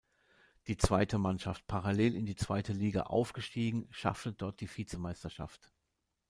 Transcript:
Die zweite Mannschaft, parallel in die zweite Liga aufgestiegen, schaffte dort die Vizemeisterschaft.